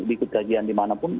ikut kajian dimanapun